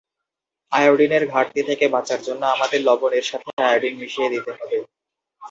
আয়োডিনের ঘাটতি থেকে বাঁচার জন্য আমাদের লবণের সাথে আয়োডিন মিশিয়ে দিতে হবে।